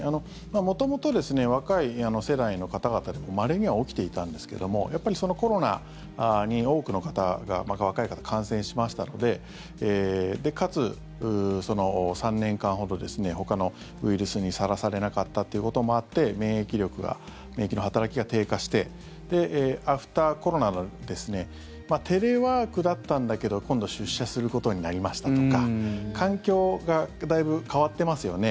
元々、若い世代の方々でもまれには起きていたんですけどもやっぱりコロナに多くの方が若い方、感染しましたのでかつ、３年間ほどほかのウイルスにさらされなかったということもあって免疫力が、免疫の働きが低下してアフターコロナでテレワークだったんだけど今度出社することになりましたとか環境がだいぶ変わってますよね。